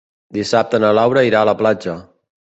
Dissabte na Laura irà a la platja.